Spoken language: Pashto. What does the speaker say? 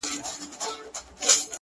ما درمل راوړه ما په سونډو باندې ووهله!!